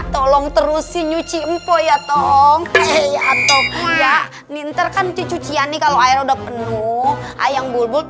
tolong terusin nyuci umpo ya tong atau pia nintar kan cucian nih kalau air udah penuh ayang bulgul